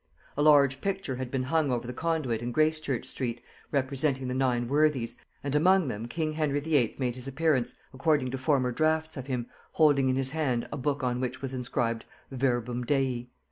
A large picture had been hung over the conduit in Gracechurch street representing the nine Worthies, and among them king Henry VIII. made his appearance, according to former draughts of him, holding in his hand a book on which was inscribed "Verbum Dei."